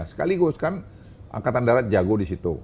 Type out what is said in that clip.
sekaligus kan angkatan darat jago di situ